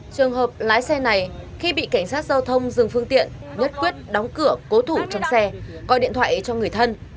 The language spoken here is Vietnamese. trường hợp lái xe này khi bị cảnh sát giao thông dừng phương tiện nhất quyết đóng cửa cố thủ trong xe coi điện thoại cho người thân